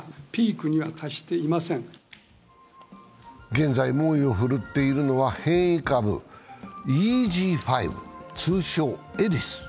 現在、猛威を振るっているのは変異株ＥＧ．５、通称エリス。